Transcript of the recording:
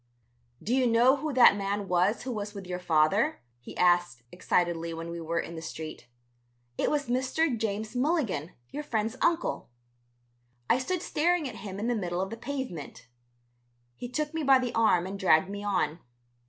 "Do you know who that man was who was with your father?" he asked excitedly when we were in the street. "It was Mr. James Milligan, your friend's uncle." I stood staring at him in the middle of the pavement. He took me by the arm and dragged me on.